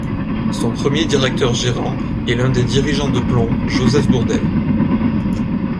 Son premier directeur-gérant est l'un des dirigeants de Plon, Joseph Bourdel.